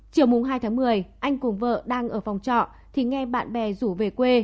chiều hai tháng một mươi anh cùng vợ đang ở phòng trọ thì nghe bạn bè rủ về quê